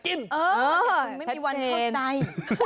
คุณยังจะไม่มีวันถูกต้องเข้าใจ